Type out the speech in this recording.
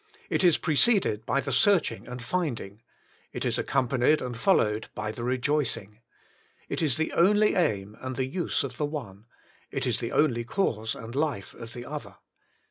It is pre ceded by the searching and finding: it is accom panied and followed by the rejoicing. It is the only aim and use of the one; it is the only cause 109 no The Inner Chamber and life of the other.